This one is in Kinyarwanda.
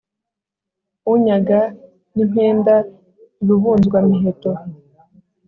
unyaga n'impenda i bubanzwa-miheto.